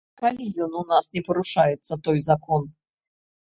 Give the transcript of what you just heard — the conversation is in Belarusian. Калі ён у нас не парушаецца, той закон?